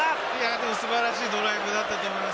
でも、素晴らしいドライブだったと思います。